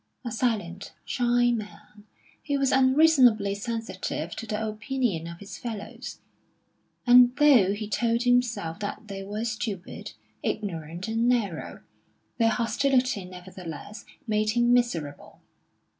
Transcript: A silent, shy man, he was unreasonably sensitive to the opinion of his fellows; and though he told himself that they were stupid, ignorant, and narrow, their hostility nevertheless made him miserable.